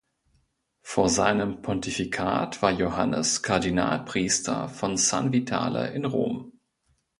Vor seinem Pontifikat war Johannes Kardinalpriester von San Vitale in Rom.